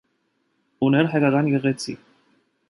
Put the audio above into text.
Ուներ հայկական եկեղեցի։